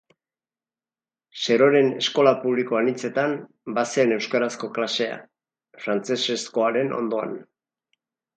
Seroren eskola publiko ainitzetan bazen euskarazko klasea, frantesezkoaren ondoan.